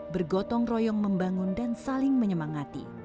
bergotong royong membangun dan saling menyemangati